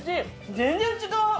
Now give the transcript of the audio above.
全然違う。